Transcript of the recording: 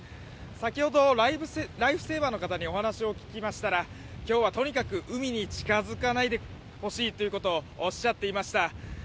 先ほどライフセーバーの方にお話を聞きましたら今日はとにかく海に近づかないでほしいということをおっしゃっていました。